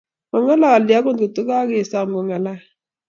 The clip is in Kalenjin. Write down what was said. Mangalali angot ko kakesom ko ngalal